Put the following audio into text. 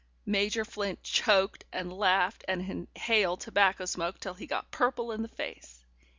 Major Flint choked and laughed and inhaled tobacco smoke till he got purple in the face.